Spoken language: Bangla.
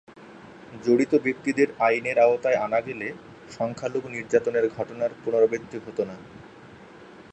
জড়িত ব্যক্তিদের আইনের আওতায় আনা গেলে সংখ্যালঘু নির্যাতনের ঘটনার পুনরাবৃত্তি হতো না।